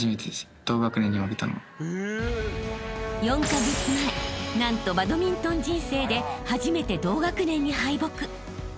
［４カ月前何とバドミントン人生で初めて同学年に敗北］